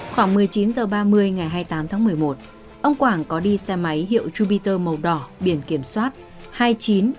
khoảng một mươi chín h ba mươi ngày hai mươi tám tháng một mươi một ông quảng có đi xe máy hiệu jupiter màu đỏ biển kiểm soát hai mươi chín i một mươi năm nghìn tám trăm tám mươi một